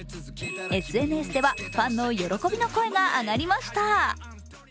ＳＮＳでは、ファンの喜びの声が上がりました。